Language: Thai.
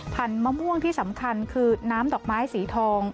มะม่วงที่สำคัญคือน้ำดอกไม้สีทอง